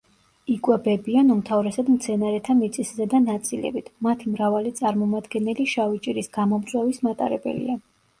იკვებებიან უმთავრესად მცენარეთა მიწისზედა ნაწილებით; მათი მრავალი წარმომადგენელი შავი ჭირის გამომწვევის მატარებელია.